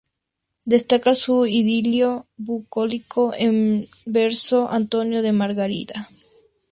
Destaca su idilio bucólico en verso "Antonio e Margarida".